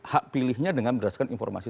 hak pilihnya dengan berdasarkan informasi